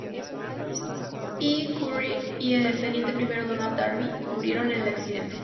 E. Currie y el teniente primero Donald Darby murieron en el accidente.